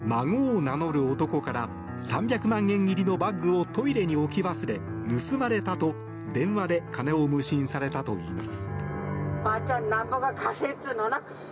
事情を聴くと女性は、孫を名乗る男から３００万円入りのバッグをトイレに置き忘れ、盗まれたと電話で金を無心されたといいます。